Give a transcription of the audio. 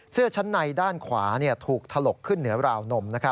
เสื้อชั้นในด้านขวาถูกถลกขึ้นเหนือราวนม